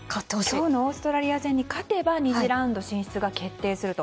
今日のオーストラリア戦に勝てば２次ラウンドが決定すると。